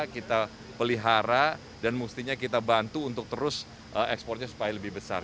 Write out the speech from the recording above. kita pelihara dan mestinya kita bantu untuk terus ekspornya supaya lebih besar